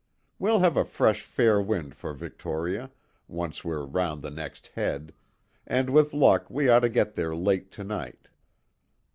We'll have a fresh fair wind for Victoria once we're round the next head, and with luck we ought to get there late to night."